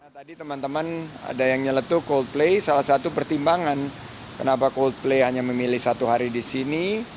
tadi teman teman ada yang nyeletuh coldplay salah satu pertimbangan kenapa coldplay hanya memilih satu hari di sini